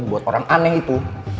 buat orang aneh itu